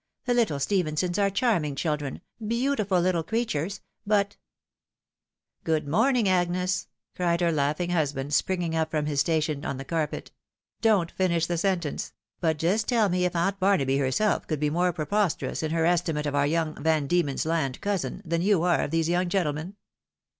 The little Ste phensons are charming children, beautiful little creatures ; but —" "Good morning, Agnes!" cried her laughing husband, springing up from his station on the carpet. " Don't finish the sentence — but just teU me if aunt Barnaby herself could be more preposterous in her estimate of our young Van Diemen's Land cousin, than you are of these young gentlemen